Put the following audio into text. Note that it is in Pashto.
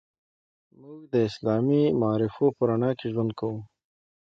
موږ د اسلامي معارفو په رڼا کې ژوند کوو.